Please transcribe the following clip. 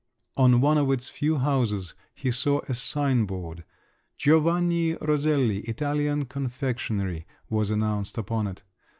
On one of its few houses he saw a signboard: "Giovanni Roselli, Italian confectionery," was announced upon it.